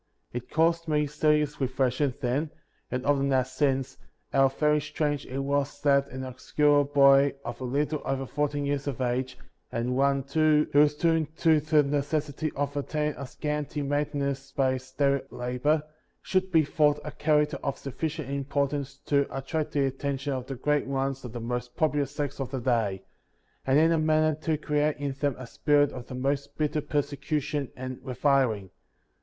23. It caused me serious reflection then, and often has since, how very strange it was that an obscure boy, of a little over fourteen years of age, and one, too, who was doomed to the necessity of obtaining a scanty maintenance by his daily labor, should be thought a character of sufficient importance to attract the attention of the great ones of the most popular sects of the day, and in a manner to create in them a spirit of the most bitter persecution and reviling.